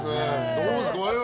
どうですか？